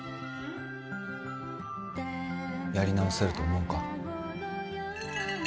やり直せると思うか？